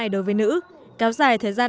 đối với nữ cáo dài thời gian